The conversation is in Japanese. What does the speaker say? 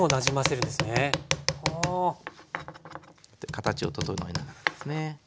形を整えながらですね。